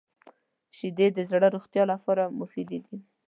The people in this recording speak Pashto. • شیدې د زړه د روغتیا لپاره مفید دي.